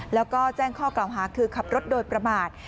แล้วก็แจ้งข้อกล่าวหาคือขับรถโดยประมาท